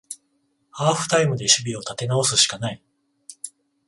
ハーフタイムで守備を立て直すしかない